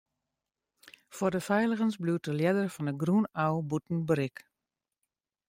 Foar de feiligens bliuwt de ljedder fan 'e grûn ôf bûten berik.